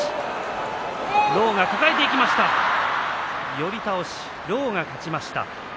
寄り倒し、狼雅勝ちました。